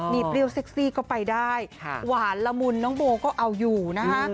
นี่เปรี้ยวเซ็กซี่ก็ไปได้หวานละมุนน้องโบก็เอาอยู่นะคะ